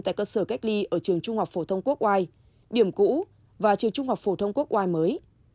tại cơ sở cách ly ở trường trung học phổ thông quốc oai điểm cũ và trường trung học phổ thông quốc oai mới